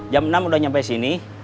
jam enam udah nyampe sini